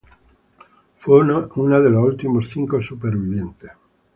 Fue una de los últimos cinco sobrevivientes.